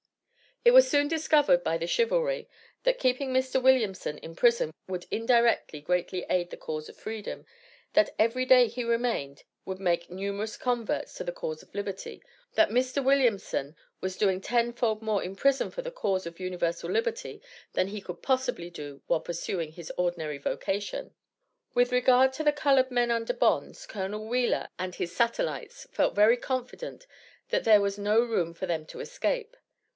It was soon discovered by the "chivalry" that keeping Mr. Williamson in prison would indirectly greatly aid the cause of Freedom that every day he remained would make numerous converts to the cause of liberty; that Mr. Williamson was doing ten fold more in prison for the cause of universal liberty than he could possibly do while pursuing his ordinary vocation. With regard to the colored men under bonds, Col. Wheeler and his satellites felt very confident that there was no room for them to escape.